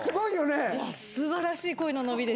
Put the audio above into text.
素晴らしい声の伸びでした。